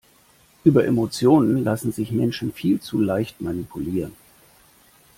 Über Emotionen lassen sich Menschen viel zu leicht manipulieren.